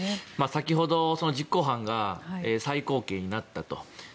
先ほど実行犯が最高刑になったと。